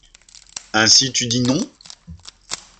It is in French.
Ainsi tu dis non ?…